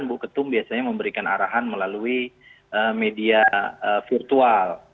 bu ketum biasanya memberikan arahan melalui media virtual